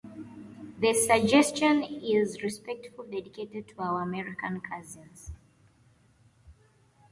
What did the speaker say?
This suggestion is respectfully dedicated to our American cousins.